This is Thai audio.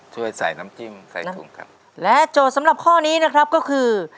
ช่วยใส่น้ำจิ้มใส่ถุงกันและโจทย์สำหรับข้อนี้นะครับก็คือ